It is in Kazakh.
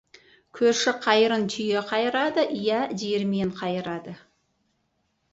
Көрші қайырын түйе қайырады, иә, диірмен қайырады.